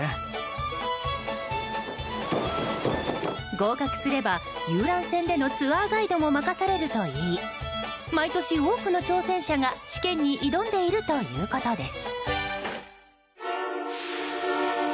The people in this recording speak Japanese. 合格すれば、遊覧船でのツアーガイドも任されるといい毎年多くの挑戦者が、試験に挑んでいるということです。